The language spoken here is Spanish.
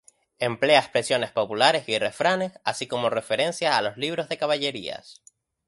Emplea expresiones populares y refranes, así como referencias a los libros de caballerías.